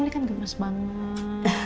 ini kan gemes banget